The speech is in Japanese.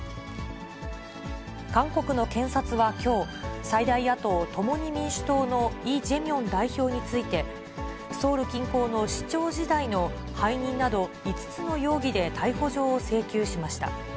韓国の検察はきょう、最大野党・共に民主党のイ・ジェミョン代表について、ソウル近郊の市長時代の背任など、５つの容疑で逮捕状を請求しました。